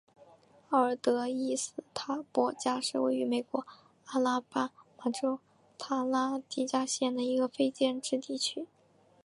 奥尔德伊斯塔博加是位于美国阿拉巴马州塔拉迪加县的一个非建制地区。